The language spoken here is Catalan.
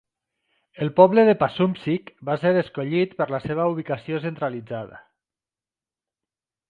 El poble de Passumpsic va ser escollit per la seva ubicació centralitzada.